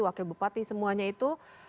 wakil bupati semuanya itu